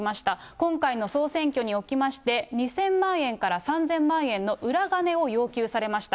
今回の総選挙におきまして、２０００万円から３０００万円の裏金を要求されました。